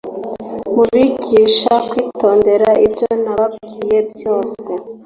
mubigisha kwitondera ibyo nababwiye byose